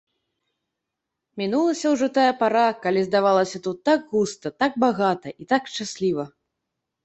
Мінулася ўжо тая пара, калі здавалася тут так густа, так багата і так шчасліва.